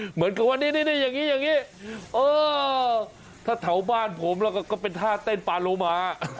เหมือนกับว่านี่อย่างนี้ถ้าแถวบ้านผมแล้วก็เป็นท่าเต้นปานโลหมา